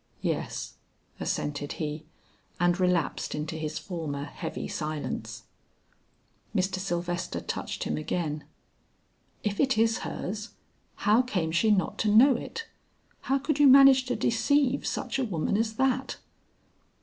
"Yes," assented he, and relapsed into his former heavy silence. Mr. Sylvester touched him again. "If it is hers, how came she not to know it? How could you manage to deceive such a woman as that?"